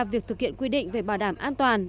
việc thực hiện quy định về bảo đảm an toàn